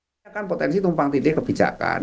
kebijakan potensi tumpang tindih kebijakan